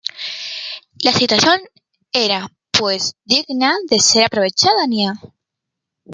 La situación era, pues, digna de ser aprovechada.